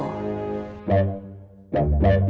saya tidak berani mengambil resiko